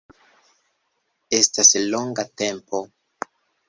Estas longa tempo